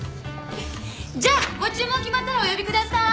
じゃあご注文決まったらお呼びください。